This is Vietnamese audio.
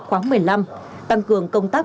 khóa một mươi năm tăng cường công tác